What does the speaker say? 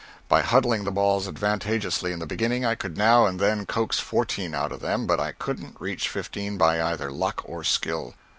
By huddling the balls advantageously in the beginning, I could now and then coax fourteen out of them, but I couldn't reach fifteen by either luck or skill.